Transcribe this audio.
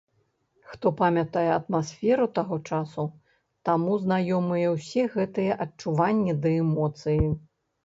Хто памятае атмасферу таго часу, таму знаёмыя ўсе гэтыя адчуванні ды эмоцыі.